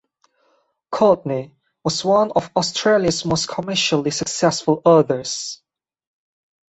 Courtenay was one of Australia's most commercially successful authors.